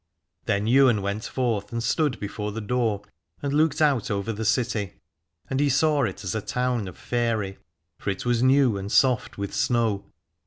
Then Ywain went forth and stood before the door, and looked out over the city, and he saw it as a town of faery, for it was new and soft with snow.